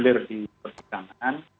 ulir di pertidangan